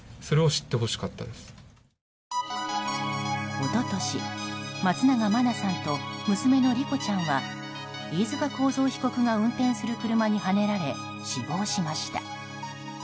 一昨年、松永真菜さんと娘の莉子ちゃんは飯塚幸三被告が運転する車にはねられ死亡しました。